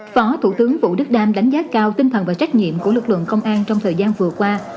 phó thủ tướng vũ đức đam đánh giá cao tinh thần và trách nhiệm của lực lượng công an trong thời gian vừa qua